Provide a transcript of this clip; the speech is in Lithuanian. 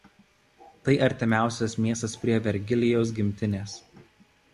Tai artimiausias miestas prie Vergilijaus gimtinės.